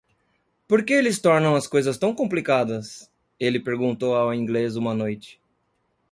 "Por que eles tornam as coisas tão complicadas?" Ele perguntou ao inglês uma noite.